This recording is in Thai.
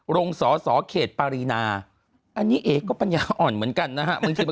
สอสอเขตปารีนาอันนี้เอกก็ปัญญาอ่อนเหมือนกันนะฮะ